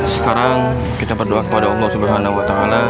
sekarang kita berdoa kepada allah swt